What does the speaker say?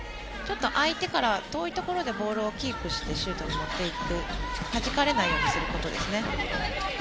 相手から遠いところでボールをキープしてシュートに持っていくはじかれないようにすることですね。